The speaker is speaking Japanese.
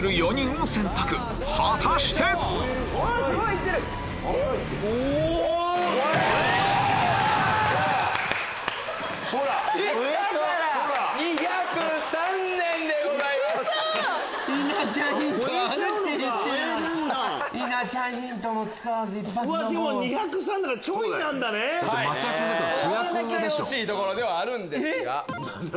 惜しいところではあるんですが。